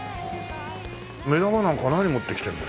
目玉なんか何持ってきてるの？